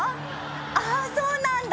ああそうなんだ